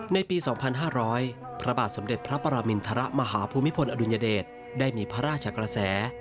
ในปี๒๕๐๐พระบาทสมเด็จพระปรมินทรมาฮภูมิพลอดุลยเดชได้มีพระราชกระแส